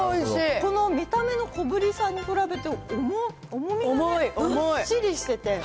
この見た目の小ぶりさに比べて、重みがね、ずっしりしてて。